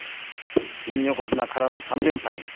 新横綱から３連敗。